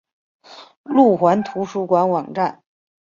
路环图书馆网站